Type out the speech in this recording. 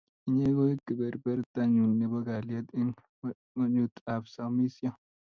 Inye koi kepepertanyun nepo kalyet eng' ng'onyut ap somisyo.